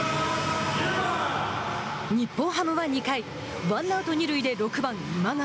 日本ハムは２回ワンアウト、二塁で６番今川。